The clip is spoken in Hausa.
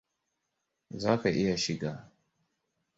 Za ka iya shiga.